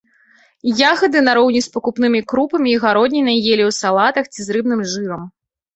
Ягады нароўні з пакупнымі крупамі і гароднінай елі ў салатах ці з рыбным жырам.